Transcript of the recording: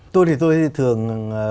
tôi thì tôi thường